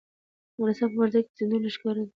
د افغانستان په منظره کې سیندونه ښکاره ده.